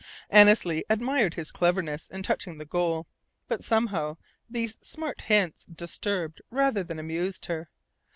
Annesley admired his cleverness in touching the goal; but somehow these smart hits disturbed rather than amused her.